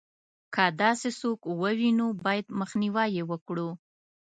که داسې څوک ووینو باید مخنیوی یې وکړو.